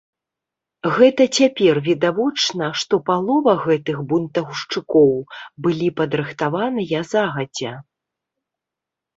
Гэта цяпер відавочна, што палова гэтых бунтаўшчыкоў былі падрыхтаваныя загадзя.